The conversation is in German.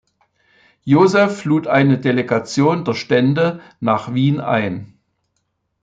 Joseph lud eine Delegation der Stände nach Wien ein.